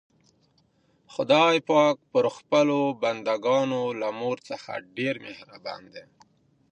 خدای پاک پر خپلو بندګانو له مور څخه ډېر مهربان دی.